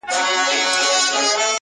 د خان د کوره خو پخه نۀ راځي ،